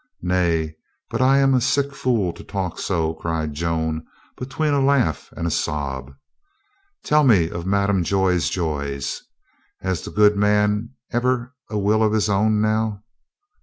"Nay, but I am a sick fool to talk so," cried Joan between a laugh and a sob. "Tell me of Madame Joy's joys. Has the good man ever a will of his own now?"